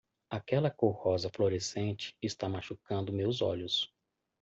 Aquela cor rosa fluorescente está machucando meus olhos.